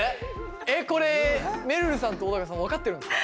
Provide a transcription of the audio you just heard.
えっこれめるるさんと小高さん分かってるんですか？